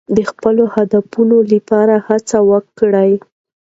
د خپلو هدفونو لپاره هڅه وکړئ.